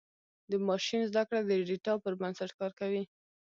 د ماشین زدهکړه د ډیټا پر بنسټ کار کوي.